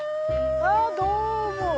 あどうも。